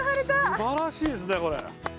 すばらしいですねこれ。